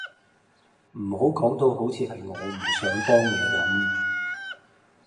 唔好講到好似係我唔想幫你咁